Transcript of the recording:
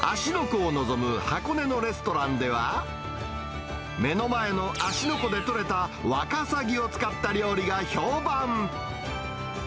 湖を望む箱根のレストランでは、目の前の芦ノ湖で取れたワカサギを使った料理が評判。